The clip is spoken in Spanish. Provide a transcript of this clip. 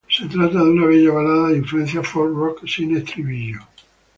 Se trata de una bella balada de influencia folk rock sin estribillo.